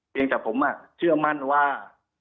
ยังแต่ผมเชื่อมั่นว่า